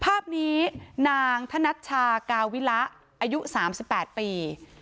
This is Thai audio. ภาพนี้นางธนัชชากาวิระอายุ๓๘ปี